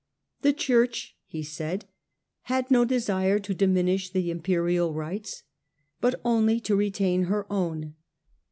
* The Church,' he said, 'had no desire to diminish the imperial rights, but only to retain her own.